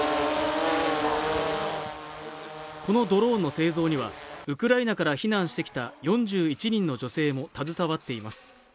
このドローンの製造にはウクライナから避難してきた４１人の女性も携わっています